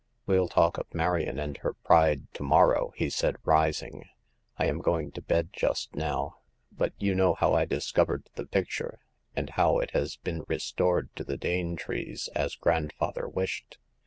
Well talk of Marion and her pride to mor row," he said, rising ;I am going to bed just now ; but you know how I discovered the pic ture, and how it has been restored to the Dane trees as grandfather wished.''